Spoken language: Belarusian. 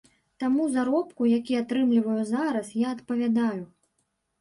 Таму заробку, які атрымліваю зараз, я адпавядаю.